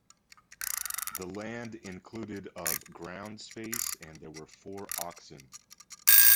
The land included of ground space and there were four oxen.